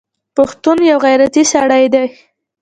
پښتون یوغیرتي سړی دی